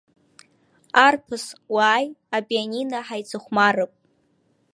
Арԥыс, уааи, апианино ҳаицыхәмарып.